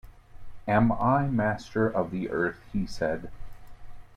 “Am I Master of the earth?” he said.